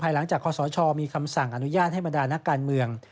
หลังจากคศมีคำสั่งอนุญาตให้บรรดานักการเมือง